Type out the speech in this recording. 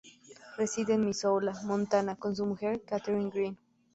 Reside en Missoula, Montana con su mujer, Katherine Green.